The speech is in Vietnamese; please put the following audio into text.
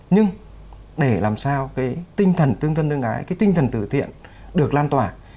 nhưng để làm sao cái tinh thần tương thân tương ái cái tinh thần tử thiện được lan tỏa